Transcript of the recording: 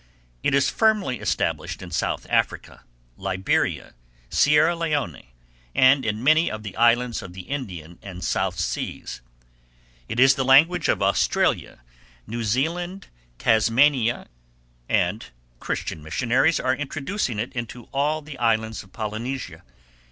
It is firmly established in South Africa, Liberia, Sierra Leone, and in many of the islands of the Indian and South Seas. It is the language of Australia, New Zealand, Tasmania, and Christian missionaries are introducing it into all the islands of Polynesia.